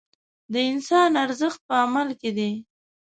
د انسان ارزښت په عمل کې دی.